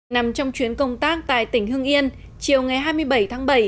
nằm trong chuyến công tác tại tỉnh hưng yên chiều ngày hai mươi bảy tháng bảy